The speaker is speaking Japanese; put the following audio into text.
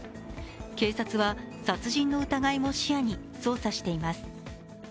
警察は、殺人の疑いも視野に捜査しています。